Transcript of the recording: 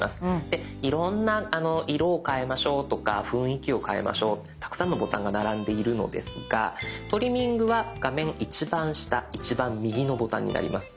でいろんな色を変えましょうとか雰囲気を変えましょうたくさんのボタンが並んでいるのですがトリミングは画面一番下一番右のボタンになります。